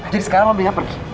jadi sekarang lo belinya pergi